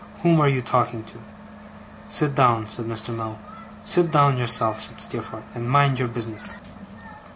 'Whom are you talking to?' 'Sit down,' said Mr. Mell. 'Sit down yourself,' said Steerforth, 'and mind your business.